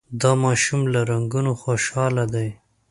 دا ماشوم له رنګونو خوشحاله دی.